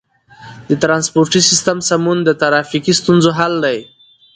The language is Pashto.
د ترانسپورتي سیستم سمون د ترافیکي ستونزو حل دی.